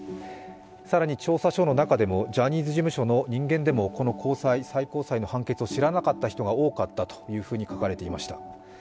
更に調査書の中でもジャニーズ事務所の人間でも高裁、最高裁の判決を知らなかった人が多かったというふうに書かれていました。